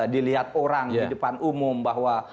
dilihat orang di depan umum bahwa